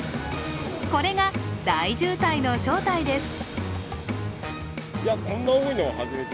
これが大渋滞の正体です。